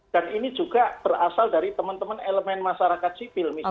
dan ini juga berasal dari teman teman elemen masyarakat sipil